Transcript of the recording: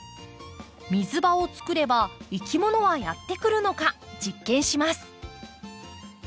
水場を作ればいきものはやって来るのか実験します。